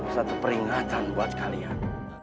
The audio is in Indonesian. satu peringatan buat kalian